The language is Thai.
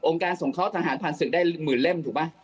องค์การสงเคราะห์ทหารพันธุ์ศึกษ์ได้หมื่นเล่มถูกปะ